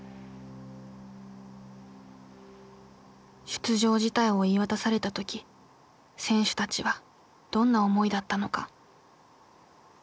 出場辞退を言い渡された時選手たちはどんな思いだったのか。